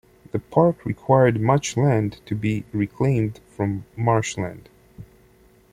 The park required much land to be reclaimed from marshland.